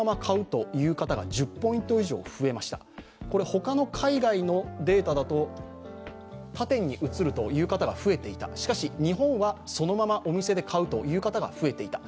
他の海外のデータだと、他店に移るという方が増えていた、しかし、日本はそのままお店で買うという方が増えていた。